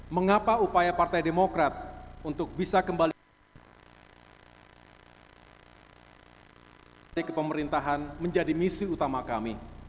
mengapa upaya partai demokrat untuk bisa kembali ke pemerintahan menjadi misi utama kami